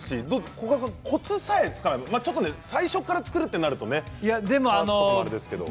コカドさん、コツさえつかめばちょっと最初から作るとなるとあれですけど。